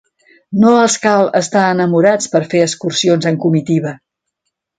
No els cal estar enamorats per fer excursions en comitiva.